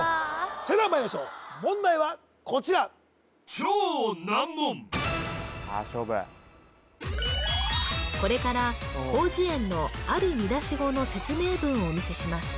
それではまいりましょう問題はこちらこれから広辞苑のある見出し語の説明文をお見せします